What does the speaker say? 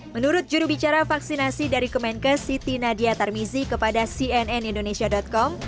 menurut jurubicara vaksinasi dari kemenkes siti nadia tarmizi kepada cnn indonesia com